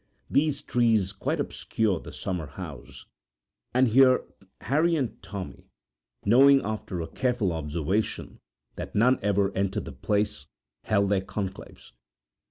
These trees quite obscured the summer house, and here Harry and Tommy, knowing after a careful observation that none ever entered the place, held their conclaves.